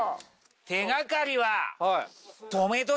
手掛かりは。